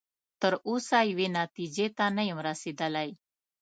تر اوسه یوې نتیجې ته نه یم رسیدلی.